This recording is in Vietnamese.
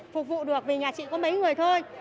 phục vụ được vì nhà chị có mấy người thôi